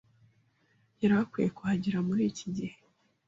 Yari akwiye kuhagera muri iki gihe.